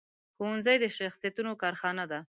ښوونځی د شخصیتونو کارخانه ده